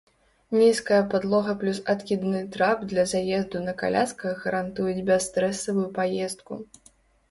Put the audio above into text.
Нізкая падлога плюс адкідны трап для заезду на калясках гарантуюць бясстрэсавую паездку.